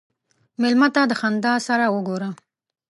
مېلمه ته د خندا سره وګوره.